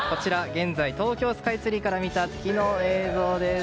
現在、東京スカイツリーから見た月の映像です。